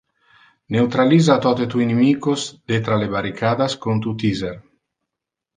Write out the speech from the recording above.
Neutralisa tote tu inimicos detra le barricadas con tu taser.